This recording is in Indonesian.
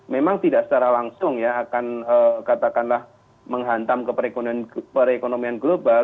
memang tidak secara langsung ya akan katakanlah menghantam ke perekonomian global